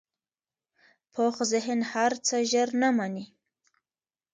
پوخ ذهن هر څه ژر نه منې